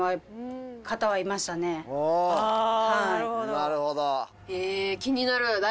なるほど。